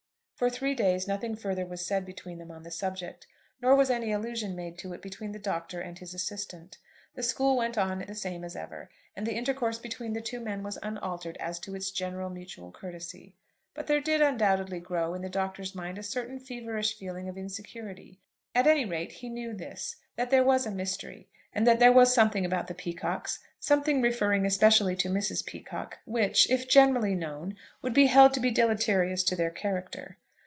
For three days nothing further was said between them on the subject, nor was any allusion made to it between the Doctor and his assistant. The school went on the same as ever, and the intercourse between the two men was unaltered as to its general mutual courtesy. But there did undoubtedly grow in the Doctor's mind a certain feverish feeling of insecurity. At any rate, he knew this, that there was a mystery, that there was something about the Peacockes, something referring especially to Mrs. Peacocke, which, if generally known, would be held to be deleterious to their character.